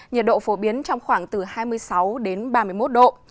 nhiệt độ phổ biến trong khoảng từ hai mươi sáu đến ba mươi một độ